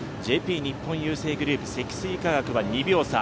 日本郵政グループ、積水化学は２秒差。